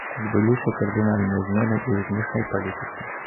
Адбыліся кардынальныя змены і ў знешняй палітыцы.